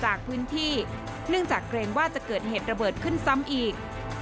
จากพื้นที่เนื่องจากเกรงว่าจะเกิดเหตุระเบิดขึ้นซ้ำอีก